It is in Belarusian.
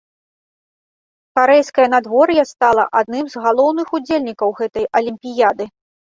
Карэйскае надвор'е стала адным з галоўных удзельнікаў гэтай алімпіяды.